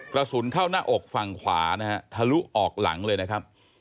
กระสุนเข้าหน้าอกฝั่งขวานะฮะทะลุออกหลังเลยนะครับ